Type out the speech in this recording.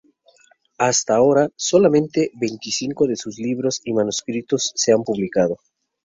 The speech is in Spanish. Hasta ahora, solamente veinticinco de sus libros y manuscritos se han publicado.